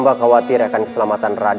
dalam pertkotaan ini